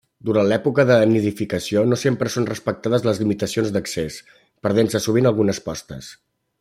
Durant l’època de nidificació no sempre són respectades les limitacions d’accés, perdent-se sovint algunes postes.